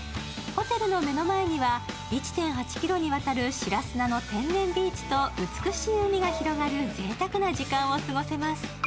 ホテルの目の前には１．８ｋｍにわたる白砂の天然ビーチと美しい海が広がるぜいたくな時間を過ごせます。